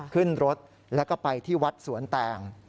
ขึ้นรถแล้วก็ไปที่วัดสวนแตง